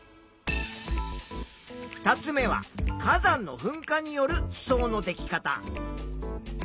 ２つ目は火山のふんかによる地層のでき方。